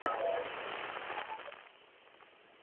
তারপর শাস্তি তাদেরকে গ্রাস করল।